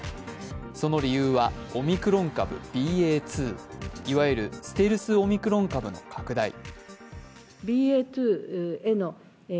その理由はオミクロン株ＢＡ．２、いわゆるステルスオミクロン株の拡大。